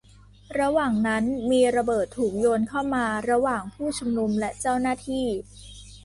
ระหว่างนั้นมีระเบิดถูกโยนเข้ามาระหว่างผู้ชุมนุมและเจ้าหน้าที่